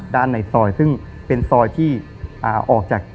ในซอยซึ่งเป็นซอยที่ออกจาก